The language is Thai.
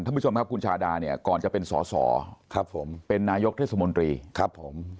ถ้าคุณพิมพิสูจน์คะคนชาด้าเนี่ยก่อนจะเป็นสสเป็นนายกเทศมนตรีครับผม